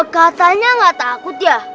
katanya nggak takut ya